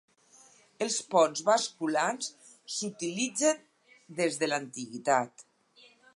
Els ponts basculants s’utilitzen des de l’antiguitat.